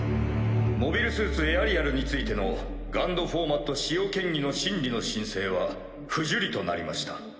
モビルスーツエアリアルについてのＧＵＮＤフォーマット使用嫌疑の審議の申請は不受理となりました。